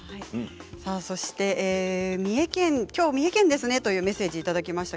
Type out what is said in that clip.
きょう三重県ですねとメッセージをいただきました。